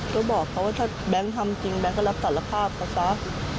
ก็บอกเขาว่าถ้าแบงค์ทำจริงแบงค์ก็รับสารภาพเขาซะ